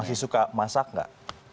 masih suka masak nggak